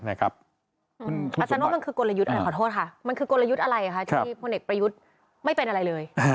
อาจารย์ว่ามันคือกลยุทธ์อะไรขอโทษค่ะมันคือกลยุทธ์อะไรคะที่พลเอกประยุทธ์ไม่เป็นอะไรเลย